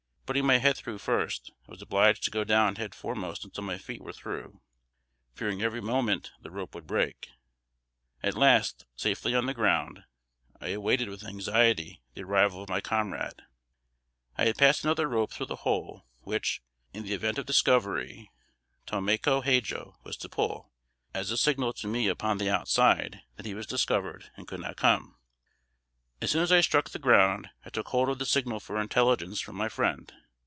Putting my head through first, I was obliged to go down head foremost until my feet were through, fearing every moment the rope would break. At last, safely on the ground, I awaited with anxiety the arrival of my comrade. I had passed another rope through the hole, which, in the event of discovery, Talmeco Hadjo was to pull, as a signal to me upon the outside that he was discovered, and could not come. As soon as I struck the ground, I took hold of the signal for intelligence from my friend.